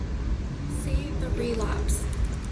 See "The Relapse".